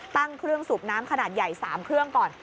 ตั้งเครื่องสูบน้ำขนาดใหญ่๓เครื่องก่อน